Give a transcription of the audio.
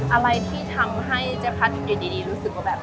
อะไรที่ทำให้เจ๊พัดอยู่ดีรู้สึกว่าแบบ